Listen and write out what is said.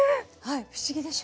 不思議でしょ。